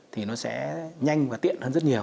thì nó sẽ nhanh và tiện hơn rất nhiều